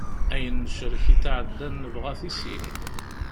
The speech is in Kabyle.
Ayen necrek iḍ iɛeddan nebɣa-t i sin.